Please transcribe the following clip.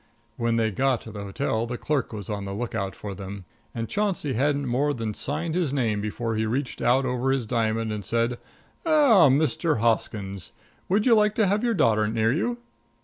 When they got to the hotel the clerk was on the lookout for them, and Chauncey hadn't more than signed his name before he reached out over his diamond and said: "Ah, Mr. Hoskins; would you like to have your daughter near you?"